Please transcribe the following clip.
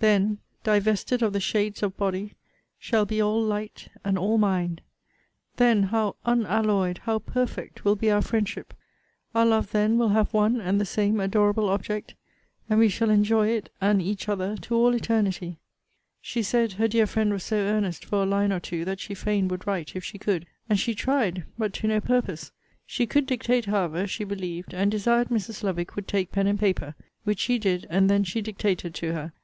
Then, divested of the shades of body, shall be all light and all mind! Then how unalloyed, how perfect, will be our friendship! Our love then will have one and the same adorable object, and we shall enjoy it and each other to all eternity! She said, her dear friend was so earnest for a line or two, that she fain would write, if she could: and she tried but to no purpose. She could dictate, however, she believed; and desired Mrs. Lovick would take pen and paper. Which she did, and then she dictated to her.